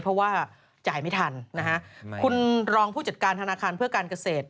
เพราะว่าจ่ายไม่ทันนะฮะคุณรองผู้จัดการธนาคารเพื่อการเกษตร